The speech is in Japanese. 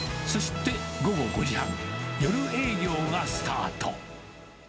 そして午後５時半、夜営業がスタート。